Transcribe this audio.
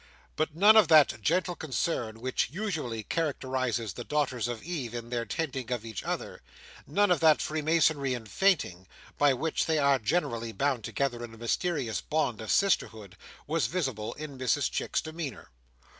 But none of that gentle concern which usually characterises the daughters of Eve in their tending of each other; none of that freemasonry in fainting, by which they are generally bound together in a mysterious bond of sisterhood; was visible in Mrs Chick's demeanour.